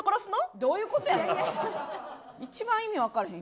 どういうことやねん。